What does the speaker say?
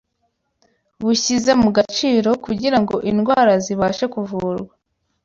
bushyize mu gaciro, kugira ngo indwara zibashe kuvurwa